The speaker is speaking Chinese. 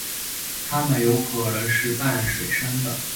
它们有可能是半水生的。